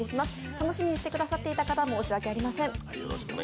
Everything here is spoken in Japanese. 楽しみにしてくださっていた方申し訳ありません。